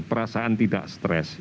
perasaan tidak stress